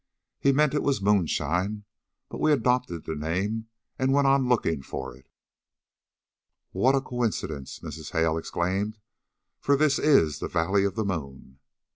He meant it was moonshine, but we adopted the name and went on looking for it." "What a coincidence!" Mrs. Hale exclaimed. "For this is the Valley of the Moon."